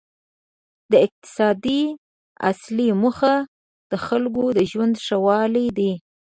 د اقتصاد اصلي موخه د خلکو د ژوند ښه والی دی.